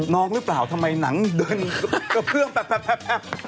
น้องหรือเปล่าทำไมหนังเดินกระเพื่อมแป๊บ